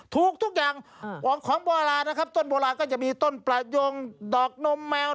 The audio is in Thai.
ถูกทุกอย่างเหาะของโบรานะต้นโบราก็มีต้นประยงดอกนมแมว